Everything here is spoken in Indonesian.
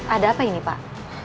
ada apa ini pak